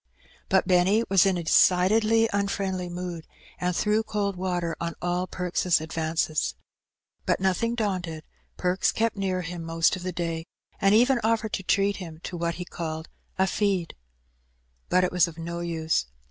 But Benny was in a decidedly unfriendly mood, and threw cold water on all Perks' advances. But, nothing daunted. Perks kept nearUiim most of the day, and even offered to treat him to what he called ''a feed." But it was of no use.